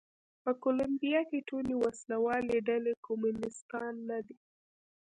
په کولمبیا کې ټولې وسله والې ډلې کمونېستان نه دي.